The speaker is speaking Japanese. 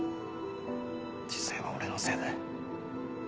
実際は俺のせいで。